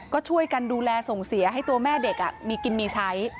ก็ช่วยกันดูแลส่งเสียให้ตัวแม่เด็กมีกินมีใช้